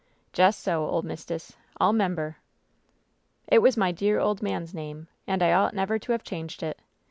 " Jes' so, ole mist'ess — I'll 'membeh 1" "It was my dear old. man's name, and I ought never to have changed it.